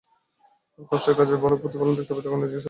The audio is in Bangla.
যখন কষ্টের কাজের ভালো প্রতিফলন দেখতে পাই, তখন নিজেকে সার্থক মনে হয়।